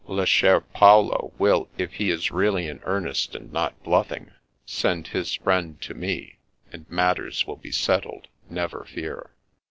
Le cher Paolo will, if he is really in earnest and not bluff ing, send his friend to me, and matters will be settled, never fear."